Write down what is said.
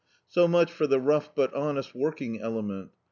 So much for the rou^ but honest working element.